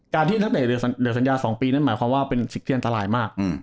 ที่นักเตะเหลือสัญญา๒ปีนั้นหมายความว่าเป็นสิทธิอันตรายมาก